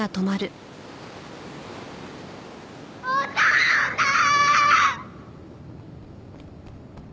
お父さーん！